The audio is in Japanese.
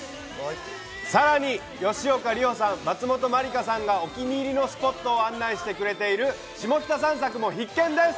さらに吉岡里帆さん、松本まりかさんがお気に入りのスポットを案内してくれている「シモキタ散策」も必見です。